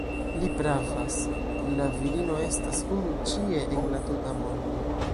Li pravas. La virino estas unu ĉie en la tuta mondo